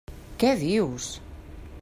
Què dius!